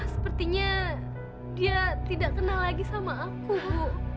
sepertinya dia tidak kenal lagi sama aku bu